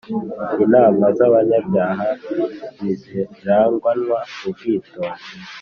inama z’abanyabyaha ntiziranganwa ubwitonzi.